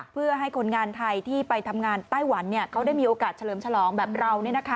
เพื่อให้คนงานไทยที่ไปทำงานไต้หวันเขาได้มีโอกาสเฉลิมฉลองแบบเรา